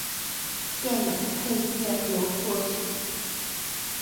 电影配乐由作曲。